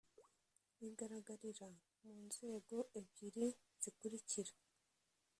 igaragarira mu nzego ebyiri zikurikira